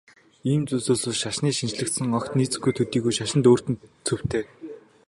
Ийм зүйл үүсвэл шашны шинэчлэлд огт нийцэхгүй төдийгүй шашинд өөрт нь цөвтэй.